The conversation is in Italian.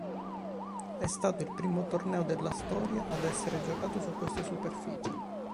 È stato il primo torneo della storia a essere giocato su questa superficie.